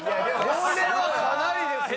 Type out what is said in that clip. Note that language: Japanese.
これはかなりですね。